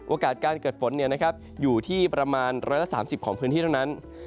โอกาสการเกิดฝนอยู่ที่ประมาณ๑๓๐ของพื้นที่เท่านั้น